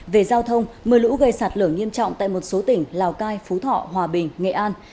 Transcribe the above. về giao thông mờ lũ gây sạt lở nghiêm trọng tại một số tỉnh lào cai phú thọ hòa bình nghệ an